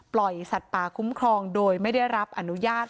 สัตว์ป่าคุ้มครองโดยไม่ได้รับอนุญาต